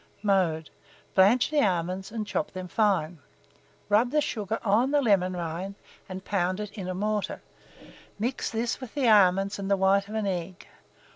Mode. Blanch the almonds, and chop them fine; rub the sugar on the lemon rind, and pound it in a mortar; mix this with the almonds and the white of the egg.